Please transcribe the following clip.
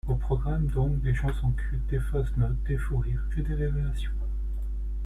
Au programme donc, des chansons cultes, des fausses notes, des fous-rires et des révélations...